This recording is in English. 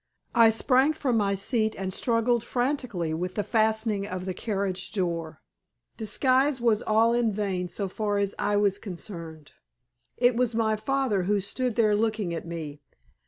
I sprang from my seat and struggled frantically with the fastening of the carriage door. Disguise was all in vain, so far as I was concerned. It was my father who stood there looking at me.